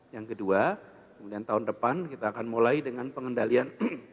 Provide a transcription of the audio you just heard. yang kedua kemudian tahun depan kita akan mulai dengan pengendalian